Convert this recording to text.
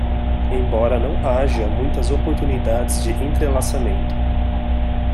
Embora não haja muitas oportunidades de entrelaçamento